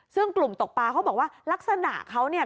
ซึ่งกลุ่มตกปลาเขาบอกว่าลักษณะเขาเนี่ย